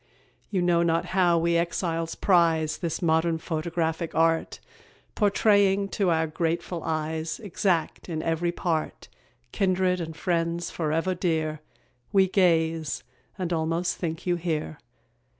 You know not how we exiles prize This modern photographic art, Portraying to our grateful eyes, Exact in every part, Kindred and friends forever dear; We gaze, and almost think you here.